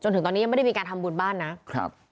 ถึงตอนนี้ยังไม่ได้มีการทำบุญบ้านนะครับ